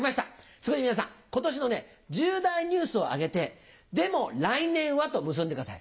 そこで皆さん今年の重大ニュースを挙げて「でも来年は」と結んでください。